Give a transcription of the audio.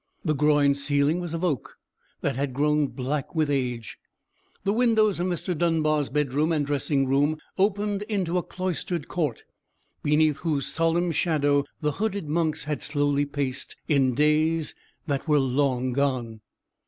The groined ceiling was of oak, that had grown black with age. The windows of Mr. Dunbar's bedroom and dressing room opened into a cloistered court, beneath whose solemn shadow the hooded monks had slowly paced, in days that were long gone.